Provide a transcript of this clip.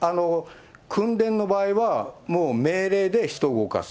訓練の場合は、もう命令で人を動かす。